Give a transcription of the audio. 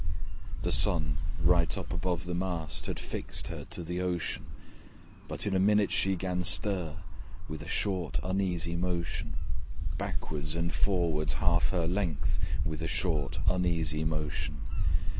The Sun, right up above the mast, Had fixed her to the ocean: But in a minute she 'gan stir, With a short uneasy motion Backwards and forwards half her length With a short uneasy motion.